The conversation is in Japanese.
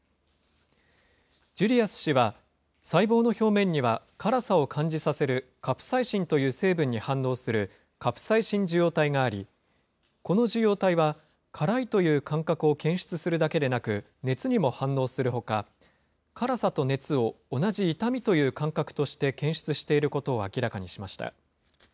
ジュリアス氏は、細胞の表面には辛さを感じさせるカプサイシンという成分に反応するカプサイシン受容体があり、この受容体は、辛いという感覚を検出するだけでなく、熱にも反応するほか、辛さと熱を同じ痛みという感覚として検出していることを明らかにしました。